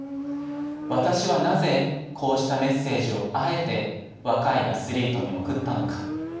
私はなぜこうしたメッセージをあえて若いアスリートに送ったのか。